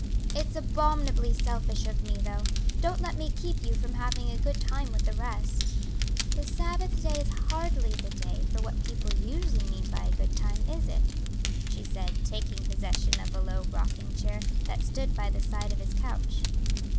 "It's abominably selfish of me, though. Don't let me keep you from having a good time with the rest." "The Sabbath is hardly the day for what people usually mean by a good time, is it?" she said, taking possession of a low rocking chair that stood by the side of his couch.